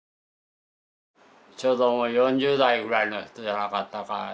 ちょうど４０代ぐらいの人じゃなかったか。